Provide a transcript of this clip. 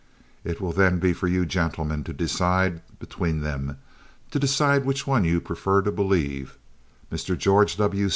It will then be for you gentlemen to decide between them, to decide which one you prefer to believe—Mr. George W.